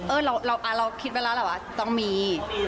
เอิ้นเราคิดแปลกแล้วว่าต้องมี